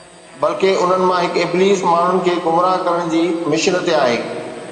بلڪه انهن مان هڪ ابليس ماڻهن کي گمراهه ڪرڻ جي مشن تي آهي